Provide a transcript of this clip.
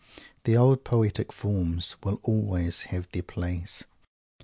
The old poetic forms will always have their place.